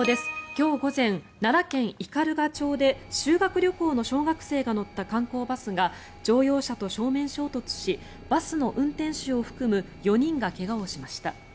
きょう午前、奈良県斑鳩町で修学旅行の小学生が乗った観光バスが乗用車と正面衝突しバスの運転手を含む４人が怪我をしました。